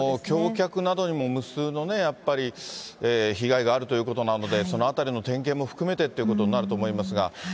橋脚などにも無数のね、やっぱり、被害があるということなので、そのあたりの点検も含めてということになると思いますが。